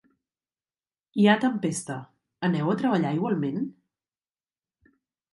Hi ha tempesta, aneu a treballar igualment?